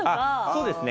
そうですね。